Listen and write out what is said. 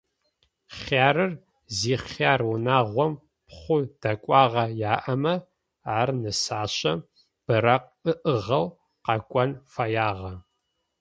Хъярыр зихъяр унагъом пхъу дэкӏуагъэ яӏэмэ, ар нысащэм быракъ ыӏыгъэу къэкӏон фэягъэ.